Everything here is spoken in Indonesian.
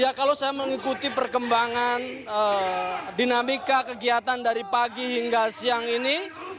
ya kalau saya mengikuti perkembangan dinamika kegiatan dari pagi hingga siang ini